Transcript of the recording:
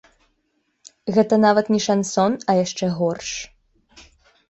Гэта нават не шансон, а яшчэ горш!